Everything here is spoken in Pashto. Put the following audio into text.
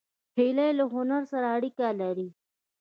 هیلۍ له هنر سره اړیکه لري